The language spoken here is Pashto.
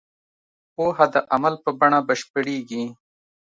پوهه د عمل په بڼه بشپړېږي.